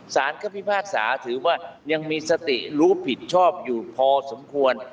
สารก็พิพากษาถือว่ายังมีสติรู้ผิดชอบอยู่พอสมควร